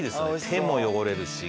手も汚れるし。